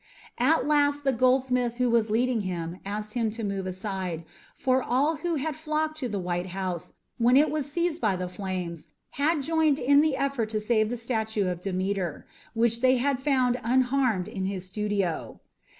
At last the goldsmith who was leading him asked him to move aside, for all who had flocked to the white house when it was seized by the flames had joined in the effort to save the statue of Demeter, which they had found unharmed in his studio.